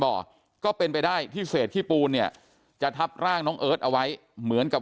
บ่อก็เป็นไปได้ที่เศษขี้ปูนเนี่ยจะทับร่างน้องเอิร์ทเอาไว้เหมือนกับ